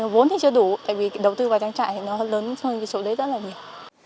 vốn thì chưa đủ tại vì đầu tư vào trang trại thì nó lớn hơn cái số đấy rất là nhiều